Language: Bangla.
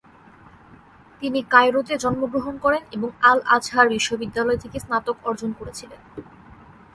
তিনি কায়রোতে জন্মগ্রহণ করেন এবং আল-আজহার বিশ্ববিদ্যালয় থেকে স্নাতক অর্জন করেছিলেন।